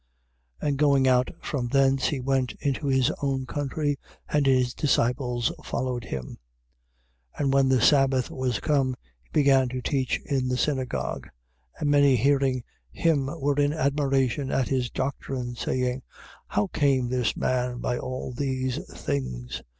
6:1. And going out from thence, he went into his own country; and his disciples followed him. 6:2. And when the Sabbath was come, he began to teach in the synagogue: and many hearing him were in admiration at his doctrine, saying: How came this man by all these things?